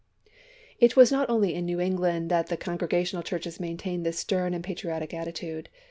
It was not only in New England that the Con gi'egational chui'ches maintained this stern and patriotic attitude.